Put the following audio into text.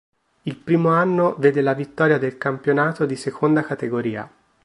Il primo anno vede la vittoria del campionato di Seconda Categoria.